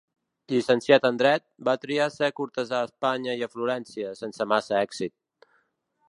Llicenciat en Dret, va triar ser cortesà a Espanya i a Florència, sense massa èxit.